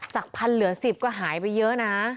จากพันเหลือ๑๐ก็หายไปเยอะนะ